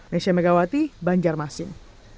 nesha megawati banjarmasin